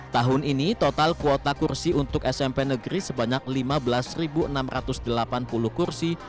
tahun ini total kuota kursi untuk smp negeri sebanyak lima belas enam ratus delapan puluh kursi